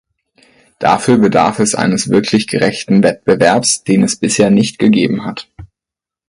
Dafür bedarf es eines wirklich gerechten Wettbewerbs, den es bisher nicht gegeben hat.